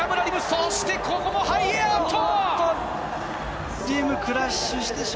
そして、ここもハイエアと！